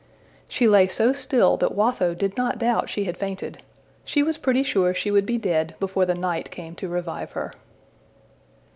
She lay so still that Watho did not doubt she had fainted. She was pretty sure she would be dead before the night came to revive her.